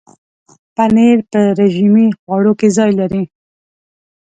پنېر په رژیمي خواړو کې ځای لري.